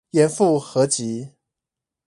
嚴復合集